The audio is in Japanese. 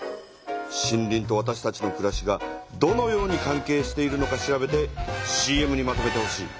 森林とわたしたちのくらしがどのように関係しているのか調べてＣＭにまとめてほしい。